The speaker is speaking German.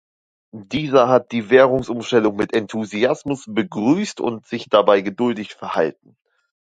Dieser hat die Währungsumstellung mit Enthusiasmus begrüßt und sich dabei geduldig verhalten.